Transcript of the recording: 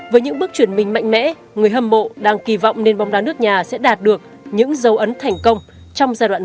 với những bước chuyển mình mạnh mẽ người hâm mộ đang kỳ vọng nền bóng đá nước nhà sẽ đạt được những dấu ấn thành công trong giai đoạn mới